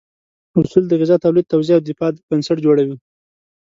اصول د غذا تولید، توزیع او دفاع بنسټ جوړوي.